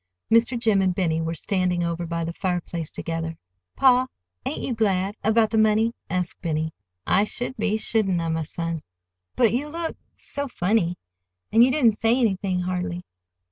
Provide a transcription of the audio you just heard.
Mr. Jim and Benny were standing over by the fireplace together. "Pa, ain't you glad—about the money?" asked Benny. "I should be, shouldn't I, my son?" "But you look—so funny, and you didn't say anything, hardly."